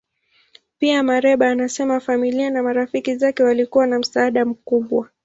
Pia, Mereba anasema familia na marafiki zake walikuwa na msaada mkubwa.